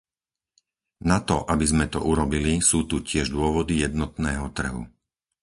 Na to, aby sme to urobili, sú tu tiež dôvody jednotného trhu.